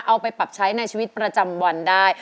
เอาไปปรับใช้ในชีวิตประจำวันได้